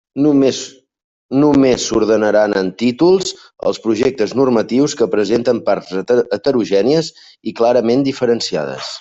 Només s'ordenaran en títols els projectes normatius que presenten parts heterogènies i clarament diferenciades.